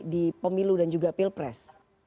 di pemilu dan juga pilpres